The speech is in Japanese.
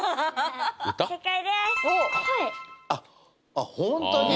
あっホントに？